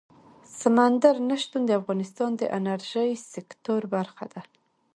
سمندر نه شتون د افغانستان د انرژۍ سکتور برخه ده.